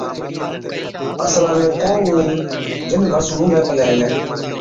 اصلا ۾ ڪو اُون جِن ڀرسُون نُونهلَي پلَي هِلَي،